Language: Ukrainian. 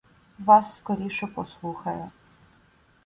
Вас скоріше послухає.